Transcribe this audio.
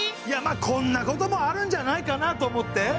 いやまあこんなこともあるんじゃないかなと思って。